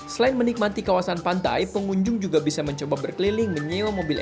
selain menikmati kawasan pantai pengunjung juga bisa mencoba berkeliling menyewa mobil